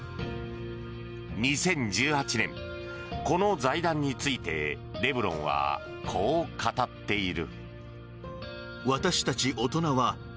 ２０１８年、この財団についてレブロンはこう語っている。